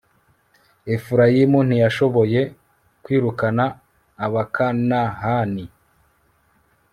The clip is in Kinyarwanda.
efurayimu ntiyashoboye kwirukana abakanahani